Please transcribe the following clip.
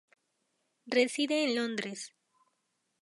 Reside en Londres.